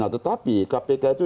tetapi kpk itu